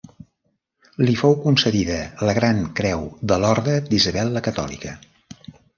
Li fou concedida la Gran Creu de l'orde d'Isabel la Catòlica.